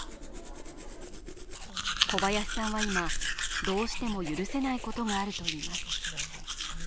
小林さんは今、どうしても許せないことがあるといいます。